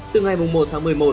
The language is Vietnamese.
từ ngày một tháng một mươi một